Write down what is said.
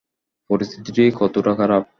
পরিস্থিতি কতোটা খারাপ?